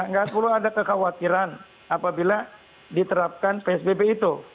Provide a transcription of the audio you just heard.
nggak perlu ada kekhawatiran apabila diterapkan psbb itu